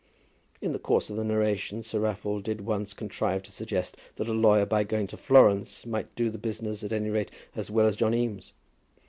In the course of the narration Sir Raffle did once contrive to suggest that a lawyer by going to Florence might do the business at any rate as well as John Eames.